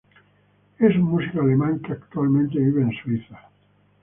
Es un músico alemán, que actualmente vive en Suiza.